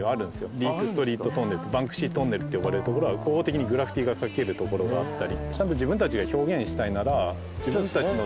リーク・ストリート・トンネルバンクシー・トンネルと呼ばれるところは合法的にグラフィティーが書けるところがあったり。